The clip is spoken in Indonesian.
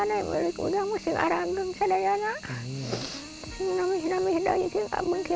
di gunung adama di tanjir